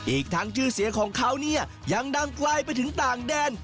อีกทั้งชื่อเสียงของเขาเนี่ยยังดังไกลไปถึงต่างแดน